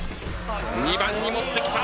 ２番に持ってきた。